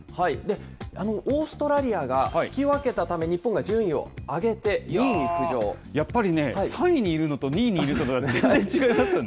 オーストラリアが引き分けたため、やっぱりね、３位にいるのと２位にいるのとは全然違いますよね。